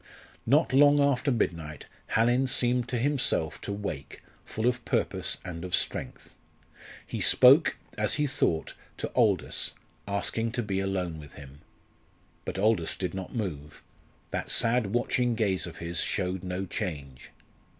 Not long after midnight Hallin seemed to himself to wake, full of purpose and of strength. He spoke, as he thought, to Aldous, asking to be alone with him. But Aldous did not move; that sad watching gaze of his showed no change.